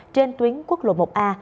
trên tuyến quốc lộ một a